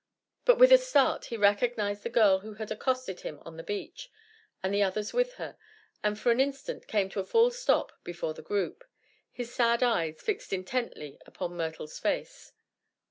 But with a start he recognized the girl who had accosted him on the beach, and the others with her, and for an instant came to a full stop before the group, his sad eyes fixed intently upon Myrtle's face.